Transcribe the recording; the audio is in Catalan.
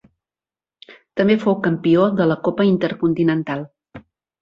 També fou campió de la Copa Intercontinental.